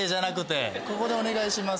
ここでお願いします。